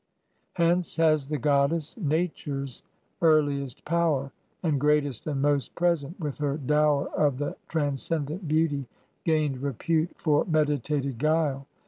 Hence has the Goddess, Nature's earliest Power, And greatest and most present, with her dower Of the transcendent beauty, gained repute For meditated guile.